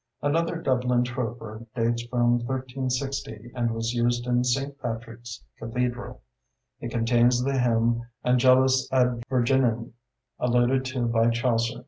Another Dublin Troper dates from 1360 and was used in St. Patrick's Cathedral. It contains the hymn, "Angelus ad Virginem", alluded to by Chaucer.